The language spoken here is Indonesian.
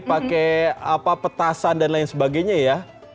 pakai petasan dan lain sebagainya ya